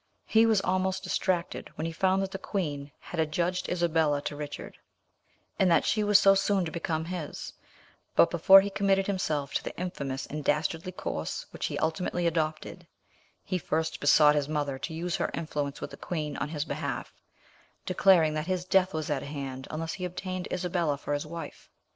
He was almost distracted when he found that the queen had adjudged Isabella to Richard, and that she was so soon to become his; but before he committed himself to the infamous and dastardly course which he ultimately adopted, he first besought his mother to use her influence with the queen on his behalf, declaring that his death was at hand unless he obtained Isabella for his wife.